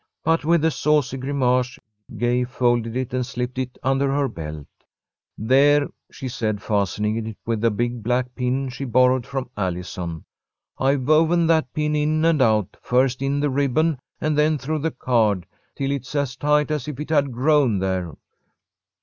But, with a saucy grimace, Gay folded it and slipped it under her belt. "There!" she said, fastening it with a big black pin she borrowed from Allison. "I've woven that pin in and out, first in the ribbon and then through the card, till it's as tight as if it had grown there."